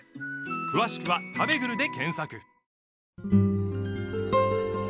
詳しくは「たべぐる」で検索